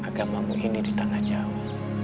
agamamu ini di tengah jauh